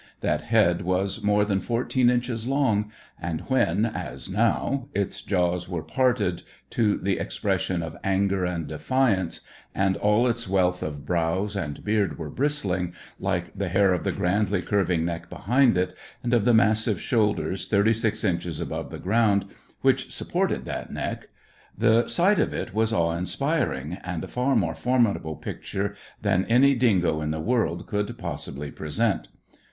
That head was more than fourteen inches long, and when, as now, its jaws were parted to the expression of anger and defiance, and all its wealth of brows and beard were bristling, like the hair of the grandly curving neck behind it, and of the massive shoulders, thirty six inches above the ground, which supported that neck, the sight of it was awe inspiring, and a far more formidable picture than any dingo in the world could possibly present.